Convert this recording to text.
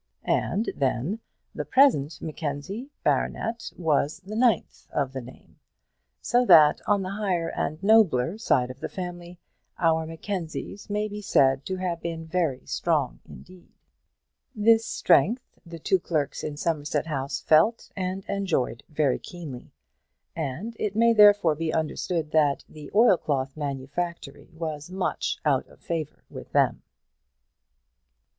And then, the present Mackenzie baronet was the ninth of the name; so that on the higher and nobler side of the family, our Mackenzies may be said to have been very strong indeed. This strength the two clerks in Somerset House felt and enjoyed very keenly; and it may therefore be understood that the oilcloth manufactory was much out of favour with them.